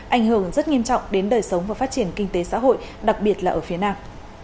ảnh hưởng rất nghiêm trọng đến đời sống và phát triển kinh tế xã hội đặc biệt là ở phía nam